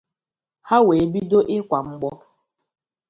ha wee bido ịkwà mgbọ